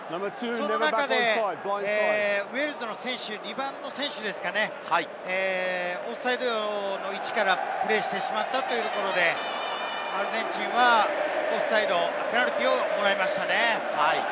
その中でウェールズの選手、オフサイドの位置からプレーしてしまったということで、アルゼンチンはペナルティーをもらいましたね。